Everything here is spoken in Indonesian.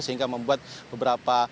sehingga membuat beberapa